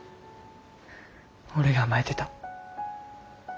俺が甘えてた。